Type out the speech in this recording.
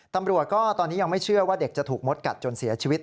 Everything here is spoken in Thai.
ตำรวจก็ตอนนี้ยังไม่เชื่อว่าเด็กจะถูกมดกัดจนเสียชีวิต